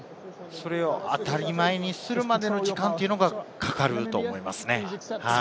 当たり前にするまでの時間がかかると思います。